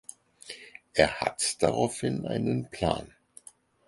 Er hat daraufhin einen Plan.